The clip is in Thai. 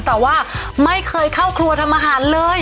แต่ว่าไม่เคยเข้าครัวทำอาหารเลย